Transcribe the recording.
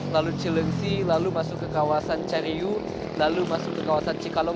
lalu cilengsi lalu masuk ke kawasan cariu lalu masuk ke kawasan cikalong